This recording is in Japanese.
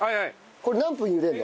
これ何分茹でるの？